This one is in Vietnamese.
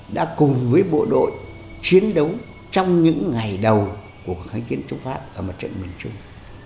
đã cùng với bộ đội chiến đấu trong những ngày đầu của kháng chiến chống pháp ở mặt trận miền trung